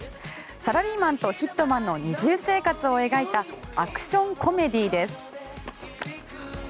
サラリーマンとヒットマンの二重生活を描いたアクションコメディーです。